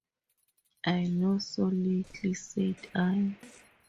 "I know so little," said I.